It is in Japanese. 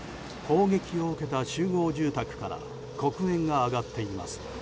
砲撃を受けた集合住宅から黒煙が上がっています。